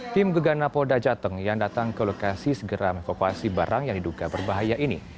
tim gegan napo dajateng yang datang ke lokasi segera mengokasi barang yang diduga berbahaya ini